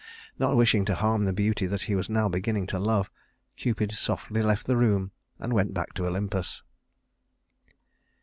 Not wishing to harm the beauty that he was now beginning to love, Cupid softly left the room and went back to Olympus.